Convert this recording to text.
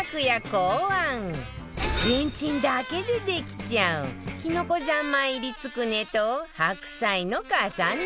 考案レンチンだけでできちゃうきのこ三昧入りつくねと白菜の重ね蒸し